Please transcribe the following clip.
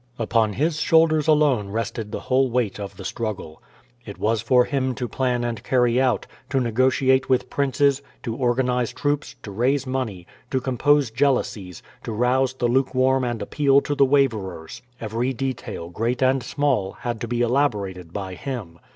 Upon his shoulders alone rested the whole weight of the struggle. It was for him to plan and carry out, to negotiate with princes, to organize troops, to raise money, to compose jealousies, to rouse the lukewarm and appeal to the waverers. Every detail, great and small, had to be elaborated by him.